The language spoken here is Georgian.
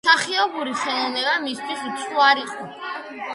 მსახიობური ხელოვნება მისთვის უცხო არ იყო.